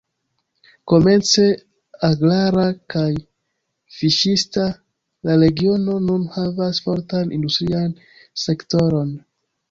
Komence agrara kaj fiŝista, la regiono nun havas fortan industrian sektoron.